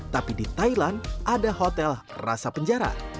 tapi di thailand ada hotel rasa penjara